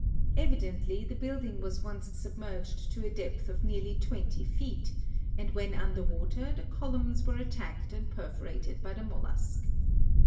Evidently, the build ioo GEOLOGY ing was once submerged to a depth of nearly 20 feet, and when under water the columns were attacked and perfo rated by the mollusk.